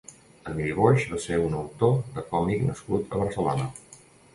Emili Boix va ser un autor de còmic nascut a Barcelona.